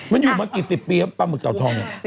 มันอยู่มากี่สิบปีครับปลาหมึกเต่าทองเนี่ย